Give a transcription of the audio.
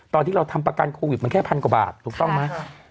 ตอนที่เราทำประกันโควิดมันแค่พันกว่าบาทถูกต้องไหม